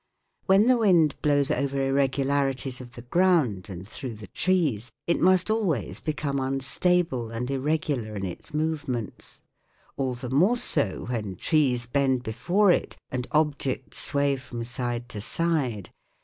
When the wind blows over irregularities of the ground and through the trees, it must always become unstable and irregular in its movements : all the more so when trees bend before it and objects sway from side to side.